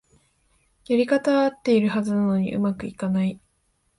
やり方はあってるはずなのに上手くいかない